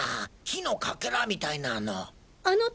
木のかけらみたいなの。